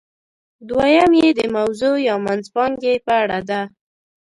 دویم یې د موضوع یا منځپانګې په اړه ده.